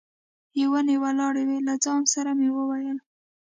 یې ونې ولاړې وې، له ځان سره مې وویل.